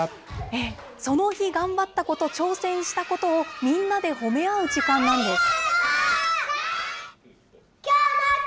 その日頑張ったこと、挑戦したことをみんなで褒め合う時間なんです。